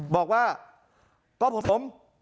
บอกว่าก็ผม